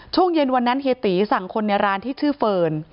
ช่วงเย็นวันนั้นเฮียตีสั่งคนในร้านที่ชื่อเฟิร์น